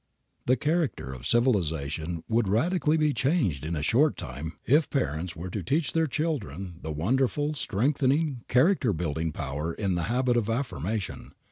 The character of civilization would be radically changed in a short time if parents were to teach their children the wonderful, strengthening, character building power in the habit of affirmation.